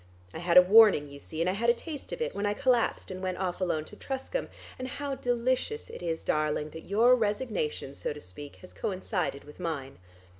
I had a warning you see, and I had a taste of it, when I collapsed and went off alone to Truscombe; and how delicious it is, darling, that your resignation, so to speak, has coincided with mine.